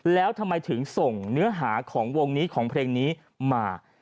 แล้วทำไมถึงส่งเนื้อหาของวงนี้ของเพลงนี้มา